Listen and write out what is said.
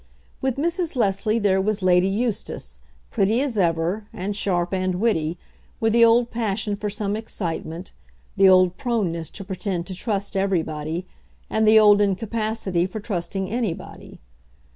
With Mrs. Leslie there was Lady Eustace, pretty as ever, and sharp and witty, with the old passion for some excitement, the old proneness to pretend to trust everybody, and the old incapacity for trusting anybody.